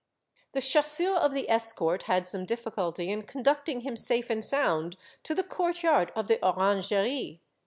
The chasseurs of the escort had some difficulty in conducting him safe and sound to the courtyard of the Orangerie.